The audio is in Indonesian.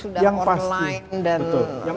sudah online dan dari sisi teknologi